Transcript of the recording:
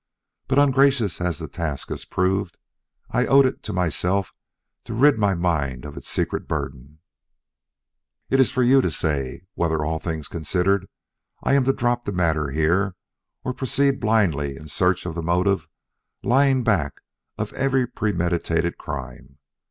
But ungracious as the task has proved, I owed it to myself to rid my mind of its secret burden. It is for you to say whether, all things considered, I am to drop the matter here or proceed blindly in search of the motive lying back of every premeditated crime.